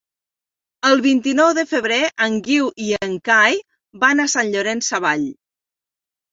El vint-i-nou de febrer en Guiu i en Cai van a Sant Llorenç Savall.